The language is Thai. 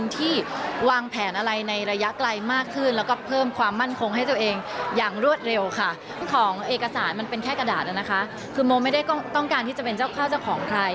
แต่มันเป็นแค่กระดาษนะคะคือโมไม่ได้ต้องการที่จะเป็นเจ้าข้าวของใคร